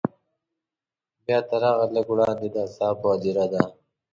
بیا تر هغه لږ وړاندې د اصحابو هدیره ده.